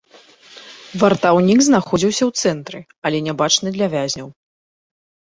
Вартаўнік знаходзіўся ў цэнтры, але нябачны для вязняў.